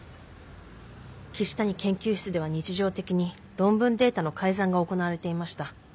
岸谷研究室では日常的に論文データの改ざんが行われていました。